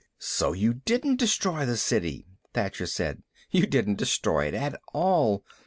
"So you didn't destroy the City," Thacher said. "You didn't destroy it at all.